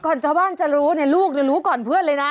ชาวบ้านจะรู้เนี่ยลูกจะรู้ก่อนเพื่อนเลยนะ